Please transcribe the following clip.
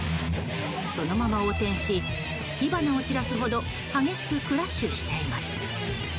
そのまま横転し火花を散らすほど激しくクラッシュしています。